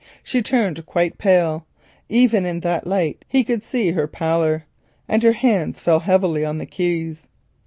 She turned quite pale, even in that light he could see her pallor, and her hands fell heavily on the keys.